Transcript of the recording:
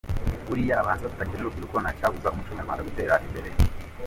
Buriya abahanzi bafatanyije n’urubyiruko ntacyabuza umuco nyarwanda gutera imbere.